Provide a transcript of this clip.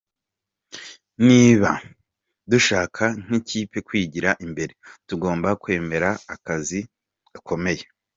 "Niba dushaka nk'ikipe kwigira imbere, tugomba kwemera aka kazi gakomeye.